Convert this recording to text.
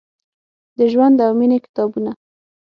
د ژوند او میینې کتابونه ،